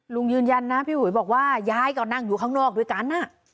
ยืนยันนะพี่อุ๋ยบอกว่ายายก็นั่งอยู่ข้างนอกด้วยกัน